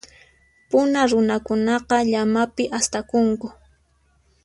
Puna runakunaqa, llamapi astakunku.